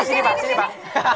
sini pak sini pak